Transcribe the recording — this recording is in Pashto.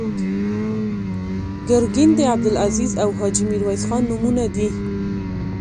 ګرګین د عبدالعزیز او حاجي میرویس خان نومونه دي.